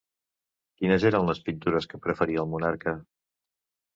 Quines eren les pintures que preferia el monarca?